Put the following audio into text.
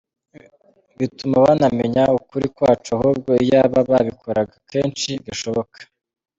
Bituma banamenya ukuri kwacu, ahubwo iyaba babikoraga kenshi gashoboka.